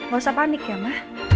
gak usah panik ya mah